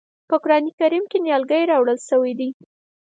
په قرآن کریم کې نیالګی راوړل شوی دی.